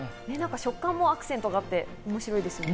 食感もアクセントがあっておいしいですね。